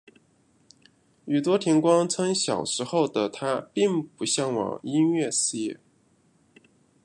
宇多田光称小时候的她并不向往音乐事业。